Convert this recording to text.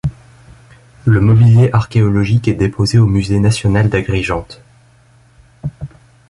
Le mobilier archéologique est déposé au musée national d'Agrigente.